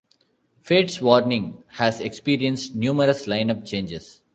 Fates Warning has experienced numerous line-up changes.